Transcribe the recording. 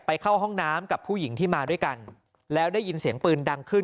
เข้าห้องน้ำกับผู้หญิงที่มาด้วยกันแล้วได้ยินเสียงปืนดังขึ้น